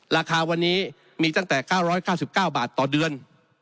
ราคาวันนี้มีตั้งแต่๙๙๙บาทต่อเดือน